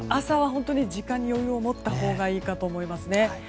朝は本当に時間に余裕を持ったほうがいいかと思います。